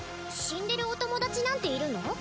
死んでるお友達なんているの？